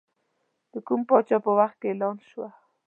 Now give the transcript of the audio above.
د کوم پاچا په وخت کې اعلان شوه.